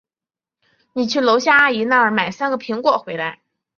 你去楼下阿姨那儿买三个苹果回来。